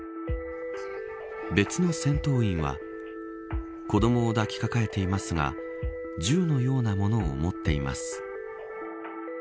別の戦闘員は子どもを抱き抱えていますが銃のようなものを持っています。